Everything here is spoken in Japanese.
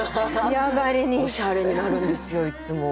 おしゃれになるんですよいっつも。